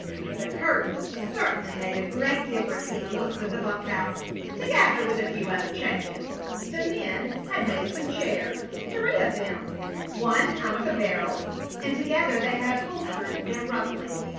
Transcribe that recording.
The curtains certainly made a great difference in the looks of the bunk house, together with a few other changes. The men had made some chairs three of them, one out of a barrel; and together they had upholstered them roughly.